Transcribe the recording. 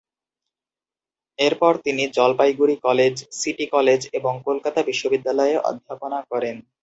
এরপর তিনি Jalpaiguri college, city college ও কলকাতা বিশ্ববিদ্যালয়ে অধ্যাপনা করেন।